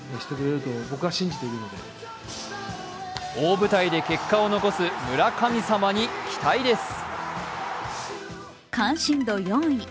大舞台で結果を残す村神様に期待です。